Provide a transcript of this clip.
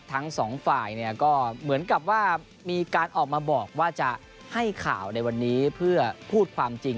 ทั้งสองฝ่ายเนี่ยก็เหมือนกับว่ามีการออกมาบอกว่าจะให้ข่าวในวันนี้เพื่อพูดความจริง